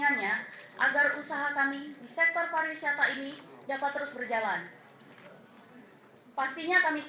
nanti juga kawan kawan wartawan kita akan ajak ke lantai atas